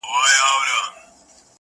یو اروامست د خرابات په اوج و موج کي ویل’